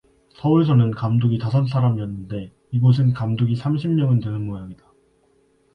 서울 서는 감독이 다섯 사람이었는데 이곳은 감독이 삼십 명은 되는 모양이다.